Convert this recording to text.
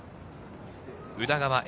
宇田川瑛